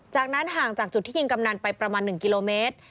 จากนั้นห่างจากจุดที่ยิงกำนันไปประมาณ๑กิโลเมตร